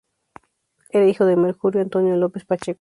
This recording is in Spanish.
Era hijo de Mercurio Antonio López-Pacheco.